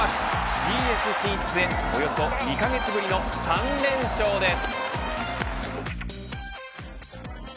ＣＳ進出へおよそ２カ月ぶりの３連勝です。